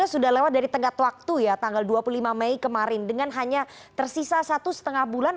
sudah lewat dari tenggat waktu ya tanggal dua puluh lima mei kemarin dengan hanya tersisa satu setengah bulan